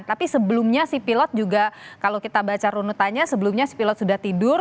tapi sebelumnya si pilot juga kalau kita baca runutannya sebelumnya si pilot sudah tidur